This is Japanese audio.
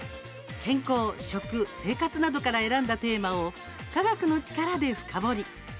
健康、食、生活などから選んだテーマを科学の力で深掘り。